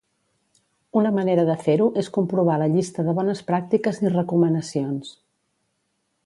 Una manera de fer-ho és comprovar la llista de bones pràctiques i recomanacions.